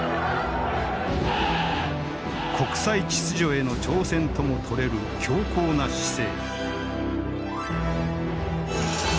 国際秩序への挑戦ともとれる強硬な姿勢。